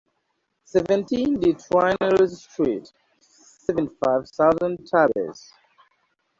Seventeen de Traynès Street, seventy-five thousand Tarbes